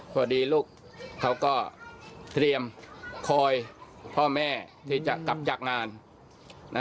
พอดีลูกเขาก็เตรียมคอยพ่อแม่ที่จะกลับจากงานนะ